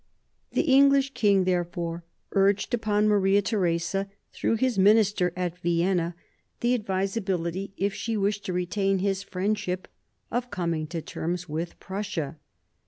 The English king therefore urged upon Maria Theresa, through his minister at Vienna, the advisability, if she wished to retain his friendship, of coming to terms with Prussia.